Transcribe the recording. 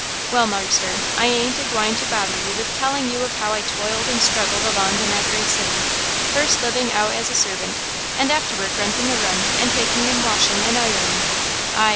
"Well, marster, I ain't a gwine to bother you with telling you of how I toiled and struggled along in that great city–first living out as a servant, and afterward renting a room and taking in washing and ironing–ay!